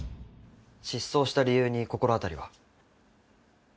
失踪した理由に心当たりは？